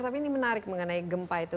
tapi ini menarik mengenai gempa itu